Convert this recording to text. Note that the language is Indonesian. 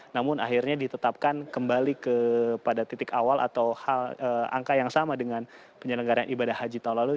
namun akhirnya ditetapkan kembali kepada titik awal atau angka yang sama dengan penyelenggaran ibadah haji tahun lalu